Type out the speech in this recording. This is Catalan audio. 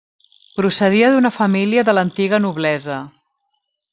Procedia d'una família de l'antiga noblesa.